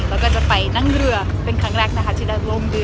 แล้วก็จะไปนั่งเรือเป็นครั้งแรกนะคะที่ได้ล่มเรือ